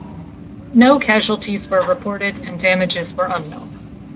No casualties were reported and damages were unknown.